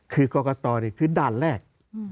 คือกรกตคือด่านแรก